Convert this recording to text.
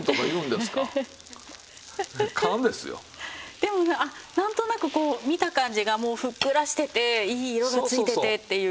でもあっなんとなくこう見た感じがもうふっくらしてていい色がついててっていう。